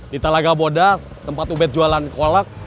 di talaga bodas tempat uber jualan kolak